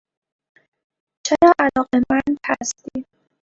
چرا علاقمند هستی؟